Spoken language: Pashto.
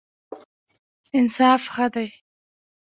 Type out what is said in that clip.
انصاف ښه دی.